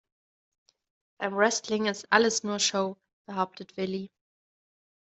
Beim Wrestling ist alles nur Show, behauptet Willi.